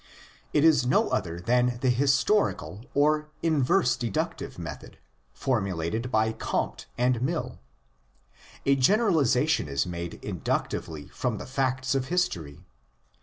It is no other than the historical or '' inverse deductive'' method formulated by Comte and Mill. A generalisation is made inductively from the facts of history.